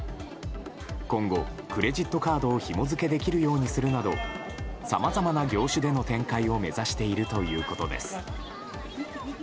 今後、クレジットカードをひも付けできるようにするなどさまざまな業種での展開を目指しているということです。